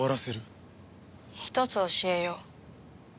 ひとつ教えよう。